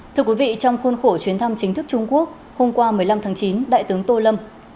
thưa quý vị trong khuôn khổ chuyến thăm chính thức trung quốc hôm qua một mươi năm tháng chín đại tướng tô lâm